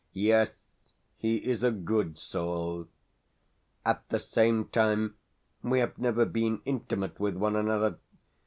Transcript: Yes, he is a good soul. At the same time, we have never been intimate with one another.